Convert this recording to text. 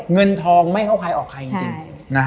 เงินทองไม่เข้าใครออกใครจริง